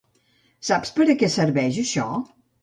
Saps per a què serveix això?